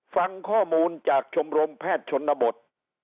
ฟังข้อมูลจากชมรมแพทย์ชนบท